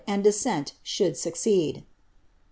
ad descent shoul I succeeil."